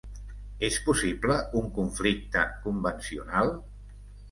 És possible un conflicte convencional?